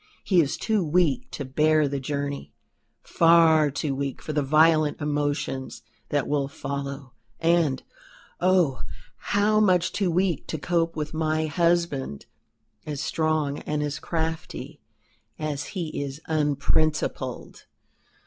He is too weak to bear the journey far too weak for the violent emotions that will follow; and, oh! how much too weak to cope with my husband as strong and as crafty as he is unprincipled!